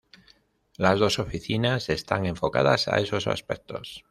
Las dos oficinas están enfocadas a esos aspectos.